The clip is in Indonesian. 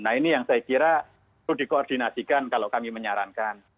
nah ini yang saya kira perlu dikoordinasikan kalau kami menyarankan